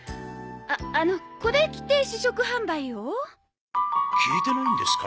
ああのこれ着て試食販売を？聞いてないんですか？